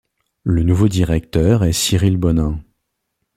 Le nouveau directeur est Cyrille Bonin.